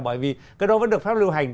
bởi vì cái đó vẫn được pháp lưu hành